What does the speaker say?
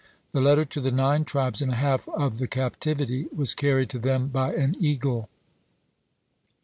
The letter to the nine tribes and a half of the captivity was carried to them by an eagle.